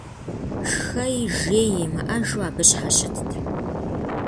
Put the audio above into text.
Шхэи жеи имыӀэжу абы щхьэщытт.